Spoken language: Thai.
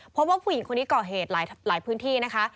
เพราะว่าผู้หญิงคนนี้เกาะเหตุหลายพื้นที่นะคะ